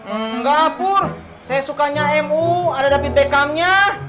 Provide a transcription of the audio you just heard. enggak purr saya sukanya mu ada david beckhamnya